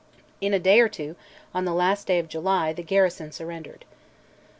In a day or two, on the last of July, the garrison surrendered.